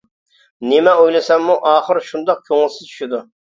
نېمە ئويلىساممۇ ئاخىر شۇنداق كۆڭۈلسىز چۈشىدۇ.